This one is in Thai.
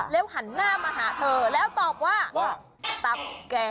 แล้วหันหน้ามาหาเธอแล้วตอบว่าตับแก